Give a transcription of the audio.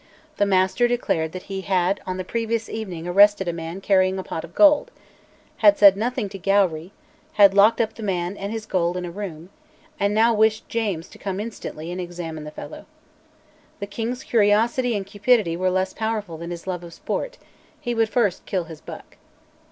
The Master declared that he had on the previous evening arrested a man carrying a pot of gold; had said nothing to Gowrie; had locked up the man and his gold in a room, and now wished James to come instantly and examine the fellow. The king's curiosity and cupidity were less powerful than his love of sport: he would first kill his buck.